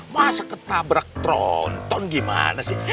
masa ketabrak tronton gimana sih